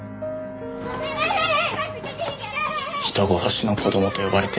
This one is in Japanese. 人殺しの子供と呼ばれて。